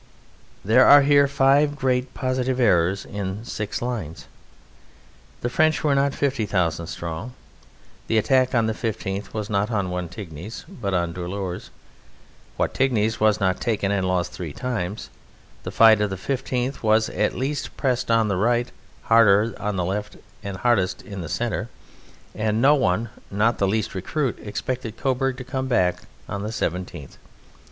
There are here five great positive errors in six lines. The French were not 50,000 strong, the attack on the 15th was not on Wattignies, but on Dourlers; Wattignies was not taken and lost three times; the fight of the 15th was least pressed on the right (harder on the left and hardest in the centre) and no one not the least recruit expected Coburg to come back on the 17th.